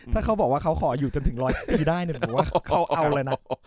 ถ้าเขาบอกว่าเขาขออยู่จนถึงร้อยปีได้เนี่ยผมว่าเขาเอาเลยนะ